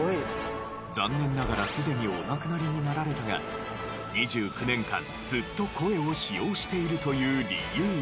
残念ながらすでにお亡くなりになられたが２９年間ずっと声を使用しているという理由は？